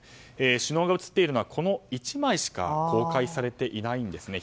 首脳が写っているのはこの１枚しか公開されていないんですね。